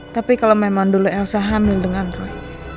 tapi kalau memang dulu elsa hamil dengan roh